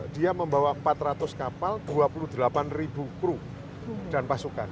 dia membawa empat ratus kapal dua puluh delapan ribu kru dan pasukan